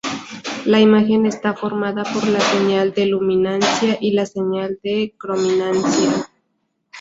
La imagen está formada por la señal de luminancia y la señal de crominancia.